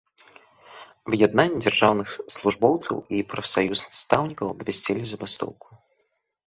Аб'яднанне дзяржаўных службоўцаў і прафсаюз настаўнікаў абвясцілі забастоўку.